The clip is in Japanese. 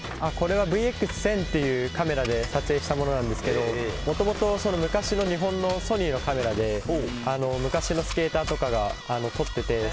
これはＶＸ１０００というカメラで撮影したものなんですけどもともと昔の日本のソニーのカメラで昔のスケーターとかが撮っていて。